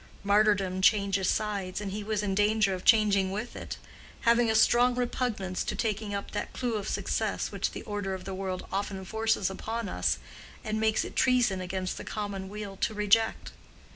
Martyrdom changes sides, and he was in danger of changing with it, having a strong repugnance to taking up that clue of success which the order of the world often forces upon us and makes it treason against the common weal to reject.